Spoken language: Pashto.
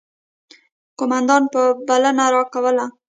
قوماندان به بلنه راکوله.